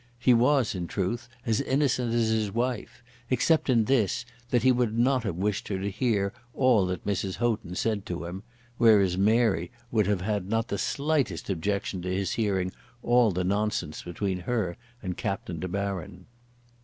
He was, in truth, as innocent as his wife, except in this, that he would not have wished her to hear all that Mrs. Houghton said to him, whereas Mary would have had not the slightest objection to his hearing all the nonsense between her and Captain De Baron.